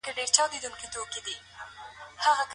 د ژوند اوږد زده کړې مفهوم مهم دی.